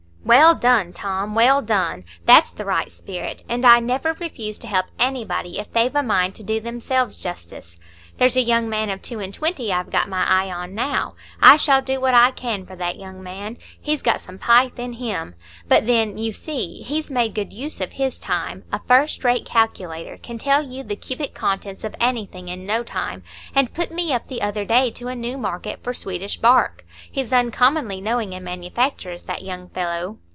"Well done, Tom, well done! That's the right spirit, and I never refuse to help anybody if they've a mind to do themselves justice. There's a young man of two and twenty I've got my eye on now. I shall do what I can for that young man; he's got some pith in him. But then, you see, he's made good use of his time,—a first rate calculator,—can tell you the cubic contents of anything in no time, and put me up the other day to a new market for Swedish bark; he's uncommonly knowing in manufactures, that young fellow."